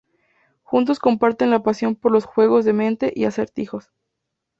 Juntos comparten la pasión por los juegos de mente y acertijos.